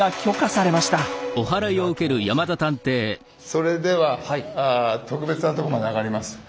それでは特別なとこまで上がります。